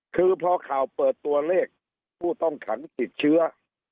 คือพอข่าวเปิดตัวเลขผู้ต้องขังติดเชื้อ